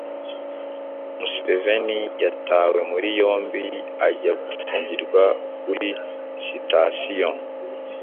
Museveni yatawe muri yombi ajya gufungirwa kuri Sitasiyo